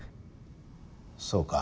そうか。